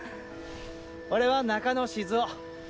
俺は中野静雄。